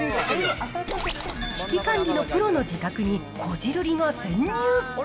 危機管理のプロの自宅に、こじるりが潜入。